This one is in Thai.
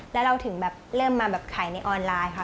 แล้วเราถึงแบบเริ่มมาแบบขายในออนไลน์ค่ะ